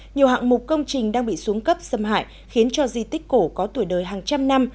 nhiều hạng mục công trình đang bị xuống cấp xâm hại khiến cho di tích cổ có tuổi đời hàng trăm năm